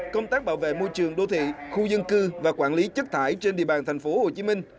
công tác bảo vệ môi trường đô thị khu dân cư và quản lý chất thải trên địa bàn tp hcm